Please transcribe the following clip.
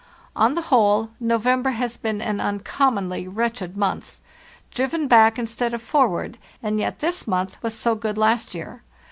On the whole, November has been an uncommonly wretched month. Driven back instead of forward—and yet this month was so good last year.